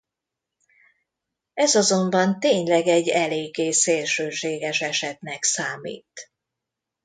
Ez azonban tényleg egy eléggé szélsőséges esetnek számít.